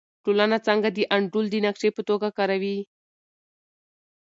ټولنه څنګه د انډول د نقشې په توګه کاروي؟